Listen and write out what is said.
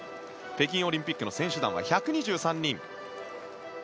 北京オリンピックの選手団は１２３人。